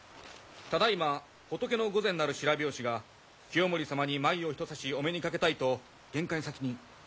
ただいま仏御前なる白拍子が清盛様に舞をひとさしお目にかけたいと玄関先に。